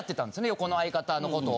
横の相方の事を。